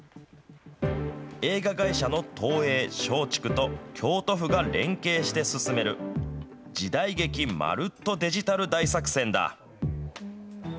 映画会社の東映、松竹と京都府が連携して進める、時代劇まるっとデジタル大作戦だ。